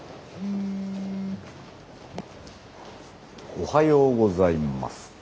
おはようございます。